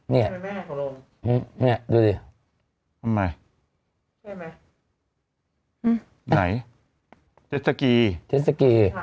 เนี่ยดูดิต้องไหมไหนเจสกีเจสกี